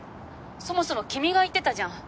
そもそも君が言ってたじゃん